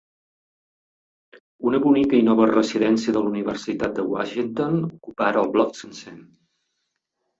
Una bonica i nova residència de la universitat de Washington ocupa ara el bloc sencer.